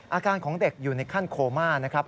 อาการของเด็กอยู่ในขั้นโคม่า